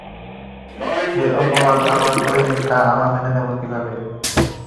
যে অপরাধ আমরা করিনি তা আমরা কীভাবে মেনে নেব?